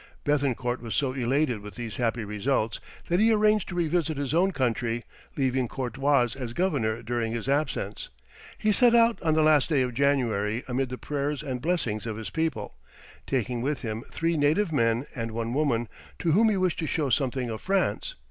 [Illustration: The King of Maxorata arrived with his suite.] Béthencourt was so elated with these happy results, that he arranged to revisit his own country, leaving Courtois as governor during his absence. He set out on the last day of January amid the prayers and blessings of his people, taking with him three native men and one woman, to whom he wished to show something of France.